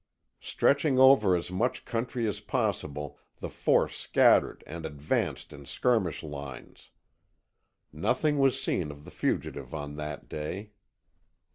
Stretching over as much country as possible, the force scattered and advanced in skirmish lines. Nothing was seen of the fugitive on that day.